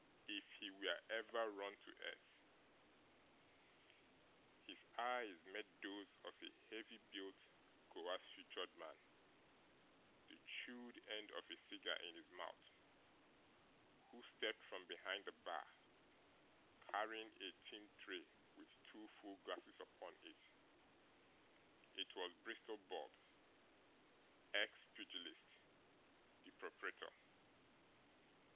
If if he were ever run to earth! His eyes met those of a heavy built, coarse featured man, the chewed end of a cigar in his mouth, who stepped from behind the bar, carrying a tin tray with two full glasses upon it. It was Bristol Bob, ex pugilist, the proprietor.